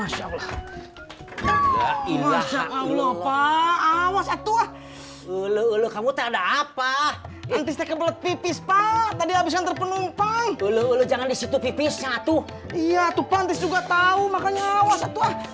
sampai jumpa di video selanjutnya